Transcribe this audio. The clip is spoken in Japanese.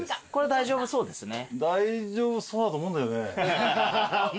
大丈夫そうですね。